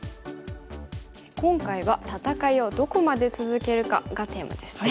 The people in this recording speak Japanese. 今回は「戦いをどこまで続けるか」がテーマですね。